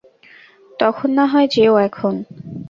তখন না হয় যেয়ো এখন।